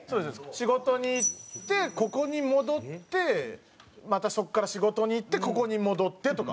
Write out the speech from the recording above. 仕事に行ってここに戻ってまたそこから仕事に行ってここに戻ってとか。